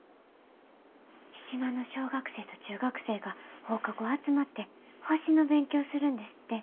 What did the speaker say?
島の小学生と中学生が放課後集まって星の勉強するんですって。